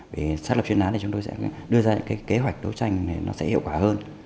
vì xác lập chuyên án thì chúng tôi sẽ đưa ra những kế hoạch đấu tranh thì nó sẽ hiệu quả hơn